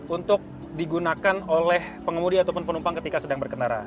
untuk digunakan oleh pengemudi ataupun penumpang ketika sedang berkendara